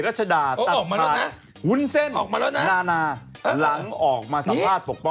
เอาเดี๋ยวกลับมาฟังนี้จากพี่มาครับ